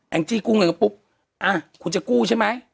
งจี้กู้เงินก็ปุ๊บอ่ะคุณจะกู้ใช่ไหม